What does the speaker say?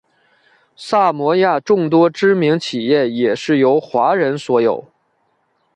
萨摩亚众多知名企业也是由华人所有。